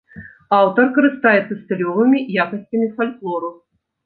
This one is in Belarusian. Аўтар карыстаецца стылёвымі якасцямі фальклору.